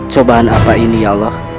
cobaan apa ini ya allah